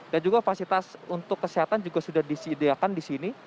dan juga fasilitas untuk kesehatan juga sudah disediakan di sini